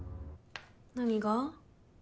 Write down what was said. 何が？